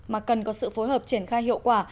mà cần có sự phối hợp triển khai hiệu quả